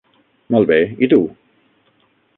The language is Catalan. Molt bé, i tu?